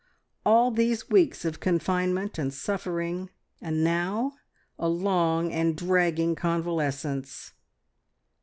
All these weeks of confinement and suffering, and now a long and dragging convalescence!